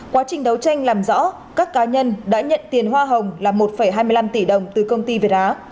quá trình đấu tranh làm rõ các cá nhân đã nhận tiền hoa hồng là một hai mươi năm tỷ đồng từ công ty việt á